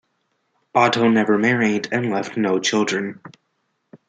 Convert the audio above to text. Otto never married and left no children.